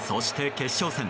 決勝戦